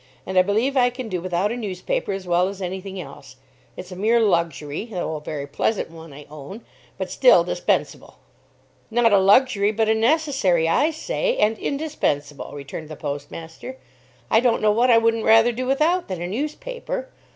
And I believe I can do without a newspaper as well as any thing else. It's a mere luxury; though a very pleasant one, I own, but still dispensable." "Not a luxury, but a necessary, I say, and indispensable," returned the postmaster. "I don't know what I wouldn't rather do without than a newspaper.